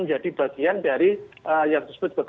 menjadi bagian dari yang disebut